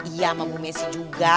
iya sama bu messi juga